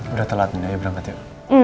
udah telat nih ayo berangkat ya